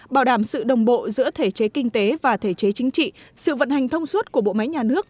bảo đảm sự đồng bộ giữa thể chế kinh tế và thể chế chính trị sự vận hành thông suốt của bộ máy nhà nước